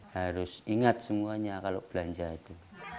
harus ingat semuanya kalau belanja itu